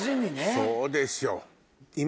そうでしょ。